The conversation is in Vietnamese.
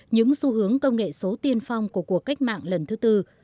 những xu hướng công nghệ số tiên phong của cuộc cách mạng lần thứ tư